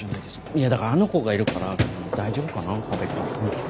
いやだからあの子がいるから大丈夫かな河辺君。